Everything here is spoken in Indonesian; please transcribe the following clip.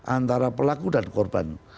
antara pelaku dan korban